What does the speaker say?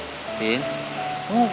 cintin kamu mau pergi